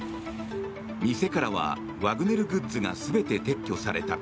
店からはワグネルグッズが全て撤去された。